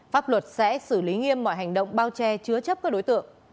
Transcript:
pháp luật sẽ xử lý nghiêm mọi hành động bao che chứa chấp các đối tượng